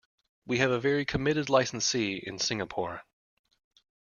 We have a very committed licensee in Singapore.